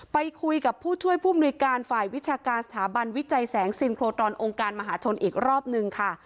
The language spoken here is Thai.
ไปคุยกับผู้ช่วยผู้มนุยการฝ่ายวิชาการสถาบันวิจัยแสงซินโครตรอนองค์การมหาชนอีกรอบนึงค่ะ